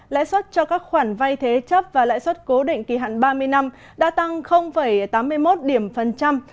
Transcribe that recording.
lãi suất cho các khoản vay thế chấp và lãi suất cố định kỳ hạn ba mươi năm đã tăng tám mươi một điểm phần trăm